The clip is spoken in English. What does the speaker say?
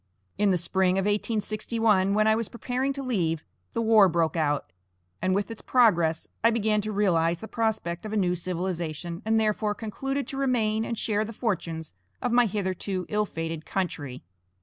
In the spring of 1861, when I was preparing to leave, the war broke out, and with its progress I began to realize the prospect of a new civilization, and, therefore, concluded to remain and share the fortunes of my hitherto ill fated country.